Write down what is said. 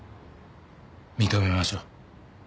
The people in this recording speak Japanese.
認めましょう。